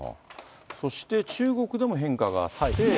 そして、中国でも変化があって。